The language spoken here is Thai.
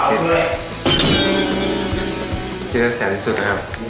เน่นคือแสนสุดนะครับ